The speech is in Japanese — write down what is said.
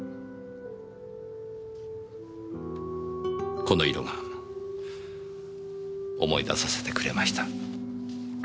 この色が思い出させてくれました。